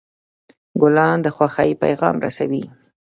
ګلان د خوښۍ پیغام رسوي.